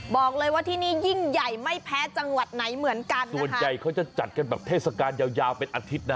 บอกเลยว่าที่นี่ยิ่งใหญ่ไม่แพ้จังหวัดไหนเหมือนกันส่วนใหญ่เขาจะจัดกันแบบเทศกาลยาวยาวเป็นอาทิตย์นะ